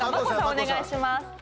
お願いします